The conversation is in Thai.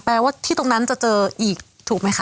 ว่าที่ตรงนั้นจะเจออีกถูกไหมคะ